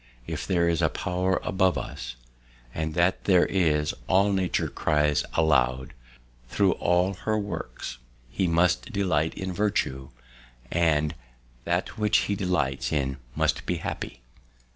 If there's a power above us (And that there is, all nature cries aloud Thro' all her works), He must delight in virtue; And that which he delights in must be happy."